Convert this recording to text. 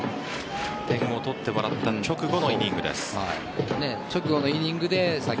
点を取ってもらった直後のイニングです。